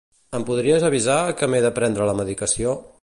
Em podries avisar que m'he de prendre la medicació?